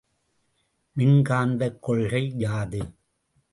மின்காந்தக் கொள்கை யாது?